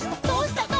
「どうした？」